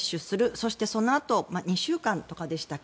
そしてそのあと２週間とかでしたっけ